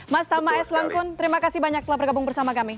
mas tama s langkun terima kasih banyak telah bergabung bersama kami